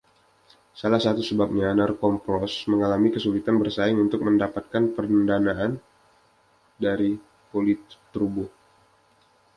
Salah satu sebabnya, Narkompros mengalami kesulitan bersaing untuk mendapatkan pendanaan dari Politburo.